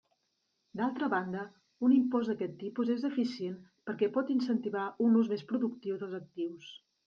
D'altra banda, un impost d'aquest tipus és eficient perquè pot incentivar un ús més productiu dels actius.